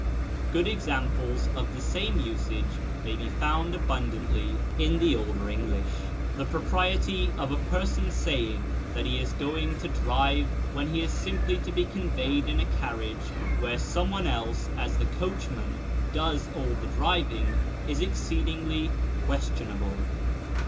good examples of the same usage may be found abundantly in the older English. The propriety of a person's saying that he is going to drive when he is simply to be conveyed in a carriage, where some one else, as the coachman, does all the driving, is exceedingly questionable.